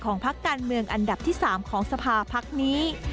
พักการเมืองอันดับที่๓ของสภาพนี้